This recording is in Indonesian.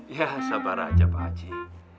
ya sabar aja pak haji